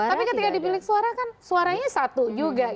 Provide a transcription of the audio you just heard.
tapi ketika di bilik suara kan suaranya satu juga